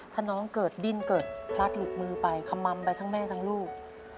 ถ้าน้องเกิดดิ้นเกิดพลัดหลุดมือไปขมัมไปทั้งแม่ทั้งลูก